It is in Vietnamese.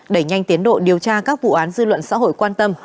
đẩy nhanh tiến độ điều tra các vụ án dư luận xã hội quan tâm